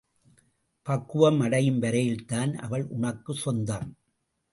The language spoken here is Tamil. பக்குவம் அடையும் வரையில்தான் அவள் உனக்குச் சொந்தம்.